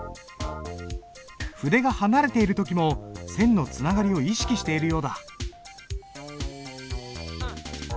筆が離れている時も線のつながりを意識しているようだ。